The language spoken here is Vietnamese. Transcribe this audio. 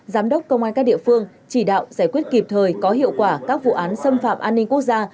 giám đốc công an các địa phương chỉ đạo giải quyết kịp thời có hiệu quả các vụ án xâm phạm an ninh quốc gia